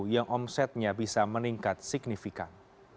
yang omsetnya bisa meningkat signifikan